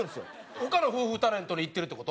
他の夫婦タレントにいってるって事？